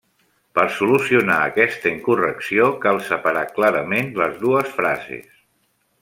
Per solucionar aquesta incorrecció cal separar clarament les dues frases.